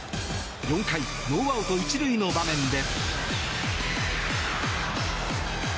４回、ノーアウト１塁の場面で。